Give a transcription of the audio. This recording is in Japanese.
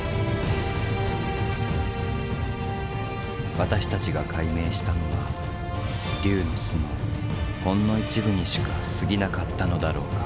私たちが解明したのは龍の巣のほんの一部にしかすぎなかったのだろうか。